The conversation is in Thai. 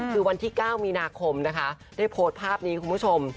คือวันที่๙มีนาคมนะคะได้โพสต์ภาพนี้คุณผู้ชม